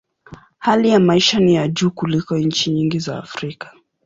Hali ya maisha ni ya juu kuliko nchi nyingi za Afrika.